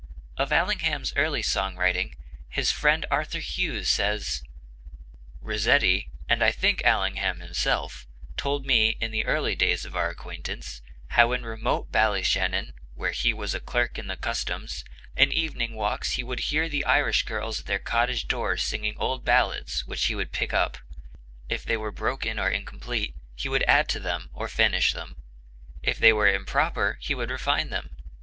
Of Allingham's early song writing, his friend Arthur Hughes says: "Rossetti, and I think Allingham himself, told me, in the early days of our acquaintance, how in remote Ballyshannon, where he was a clerk in the Customs, in evening walks he would hear the Irish girls at their cottage doors singing old ballads, which he would pick up. If they were broken or incomplete, he would add to them or finish them; if they were improper he would refine them.